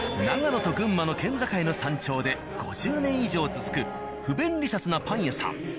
長野と群馬の県境の山頂で５０年以上続く不便利シャスなパン屋さん